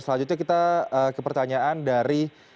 selanjutnya kita ke pertanyaan dari